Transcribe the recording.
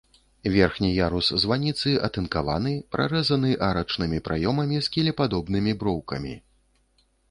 Верхні ярус званіцы, атынкаваны, прарэзаны арачнымі праёмамі з кілепадобнымі броўкамі.